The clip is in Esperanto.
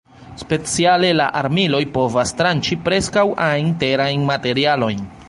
Speciale la armiloj povas tranĉi preskaŭ ajn terajn materialojn.